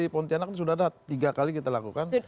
pondianak ini sudah ada tiga kali kita lakukan